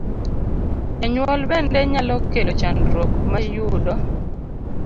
Jonyuol bende nyalo kelo chandruok ma yudo